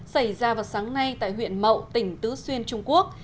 xảy ra vào sáng nay tại huyện mậu tỉnh tứ xuyên trung quốc